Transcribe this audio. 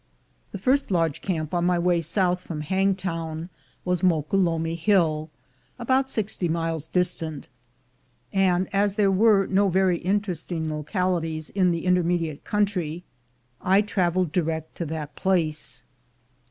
The first large camp on my way south from Hang town was Moquelumne Hill, about sixty miles dis tant, and as there were no very interesting localities in the intermediate country, I traveled direct to that place.